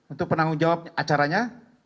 untuk penanggung jawab acaranya